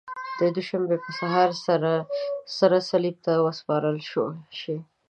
د دوشنبې په سهار سره صلیب ته وسپارل شي.